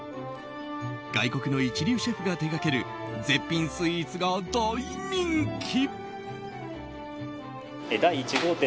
外国の一流シェフが手がけた絶品スイーツが大人気。